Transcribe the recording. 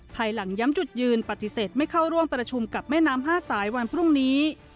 ภายหลังย้ำจุดยืนปฏิเสธไม่เข้าร่วมประชุมกับแม่น้ำห้าสายวันพรุ่งนี้